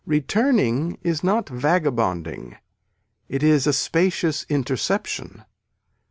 Returning is not vagabonding it is a spacious interception.